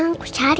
kamu cari apa